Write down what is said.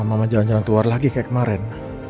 mama jalan jalan keluar lagi kayak kemarin